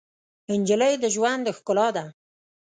نجلۍ د ژوند ښکلا ده.